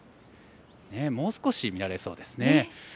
もう少し見られそうですね。